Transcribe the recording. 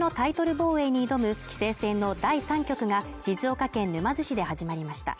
防衛に挑む棋聖戦の第３局が静岡県沼津市で始まりました。